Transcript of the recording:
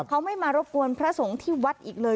เขาไม่มารบกวนพระสงฆ์ที่วัดอีกเลย